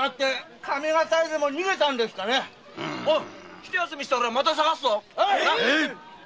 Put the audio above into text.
ひと休みしたらまた捜すぞ。